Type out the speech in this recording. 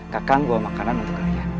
kakak bawa makanan untuk kalian